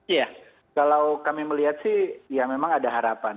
iya kalau kami melihat sih ya memang ada harapan